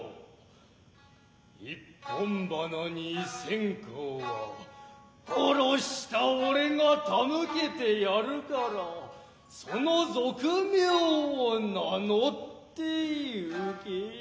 一本花に線香は殺した己が手向けてやるから其俗名を名乗ってゆけ。